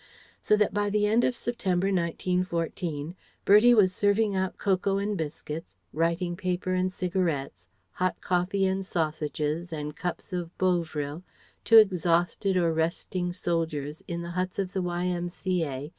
So that by the end of September, 1914, Bertie was serving out cocoa and biscuits, writing paper and cigarettes, hot coffee and sausages and cups of bovril to exhausted or resting soldiers in the huts of the Y.M.C.A.